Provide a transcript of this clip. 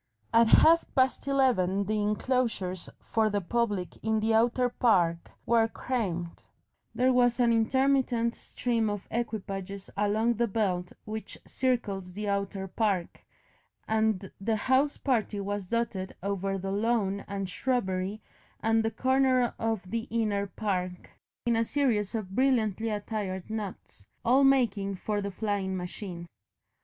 At half past eleven the enclosures for the public in the outer park were crammed, there was an intermittent stream of equipages along the belt which circles the outer park, and the house party was dotted over the lawn and shrubbery and the corner of the inner park, in a series of brilliantly attired knots, all making for the flying machine.